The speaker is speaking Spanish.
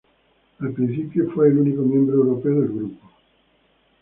Al principio, fue el único miembro europeo del grupo.